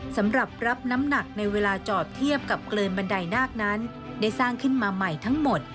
สำหรับรับน้ำหนักในเวลาจอบเทียบกับเกลินบันไดนาคนั้นได้สร้างขึ้นมาใหม่ทั้งหมด